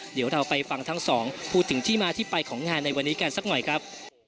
เดี๋ยวเราไปฟังทั้งสองพูดถึงที่มาที่ไปของงานในวันนี้กันสักหน่อยครับ